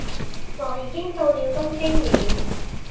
我已經到了東京了，